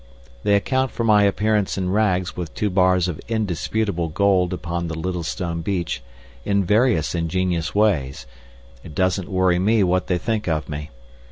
They account for my appearance in rags with two bars of indisputable gold upon the Littlestone beach in various ingenious ways—it doesn't worry me what they think of me.